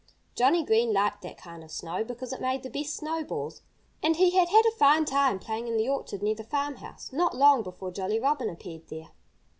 Johnnie Green liked that kind of snow because it made the best snowballs. And he had had a fine time playing in the orchard near the farmhouse, not long before Jolly Robin appeared there.